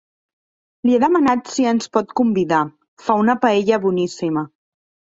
Li he demanat si ens pot convidar; fa una paella boníssima.